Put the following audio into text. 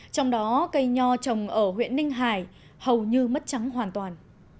trong đó cây nho trồng ở huyện ninh hải hầu như mất trắng hoàn toàn